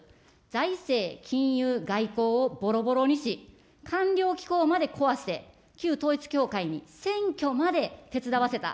財政、金融、外交をぼろぼろにし、官僚機構まで壊して、旧統一教会に選挙まで手伝わせた。